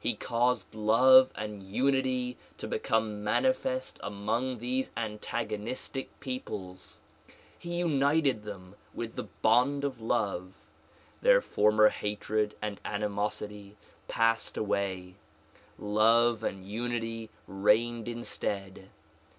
He caused love and unity to become manifest among these antag onistic peoples. He united them wath the bond of love; their former hatred and animosity passed away ; love and unity reigned instead.